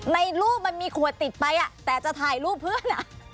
ในรูปมันมีขวดติดไปแต่จะถ่ายรูปเพื่อน